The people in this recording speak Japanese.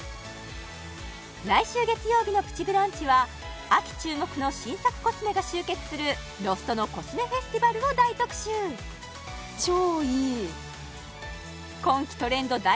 来週月曜日の「プチブランチ」は秋注目の新作コスメが集結するロフトのコスメフェスティバルを大特集超いい今季トレンド大